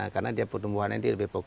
karena dia pertumbuhan ini lebih pokoknya